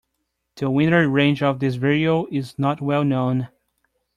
The winter range of this vireo is not well known.